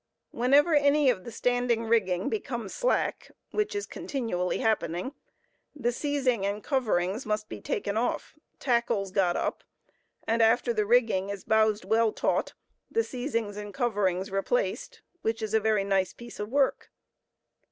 Wherever any of the standing rigging becomes slack (which is continually happening), the seizing and coverings must be taken off, tackles got up, and after the rigging is bowsed well taut, the seizings and coverings replaced; which is a very nice piece of work.